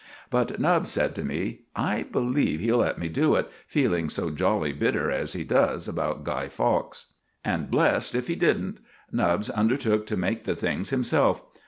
But Nubbs said to me: "I believe he'll let me do it, feeling so jolly bitter as he does about Guy Fawkes." And blessed if he didn't! Nubbs undertook to make the things himself.